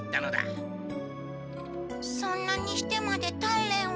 そんなにしてまでたんれんを。